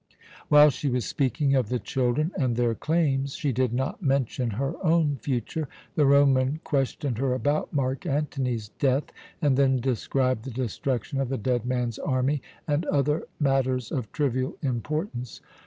"While she was speaking of the children and their claims she did not mention her own future the Roman questioned her about Mark Antony's death, and then described the destruction of the dead man's army and other matters of trivial importance.